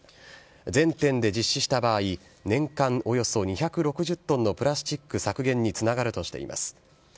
全店で実施した場合、年間およそ２６０トンのプラスチック削減につながるとしています。